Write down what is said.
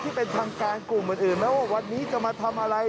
ที่เป็นทางการกลุ่มอื่นแม้ว่าวันนี้จะมาทำอะไร